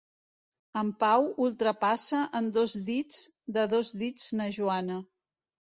En Pau ultrapassa en dos dits, de dos dits na Joana.